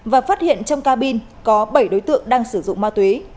và phát hiện trong cabin có bảy đối tượng đang sử dụng ma túy